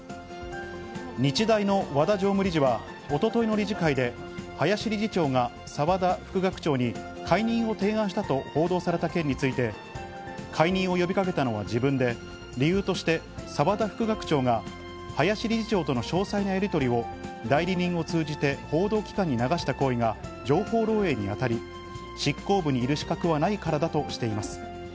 日大の和田常務理事は、おとといの理事会で、林理事長が澤田副学長に解任を提案したと報道された件について、解任を呼びかけたのは自分で、理由として澤田副学長が林理事長との詳細なやり取りを、代理人を通じて報道機関に流した行為が情報漏えいに当たり、執行部にいる資格はないからだとしています。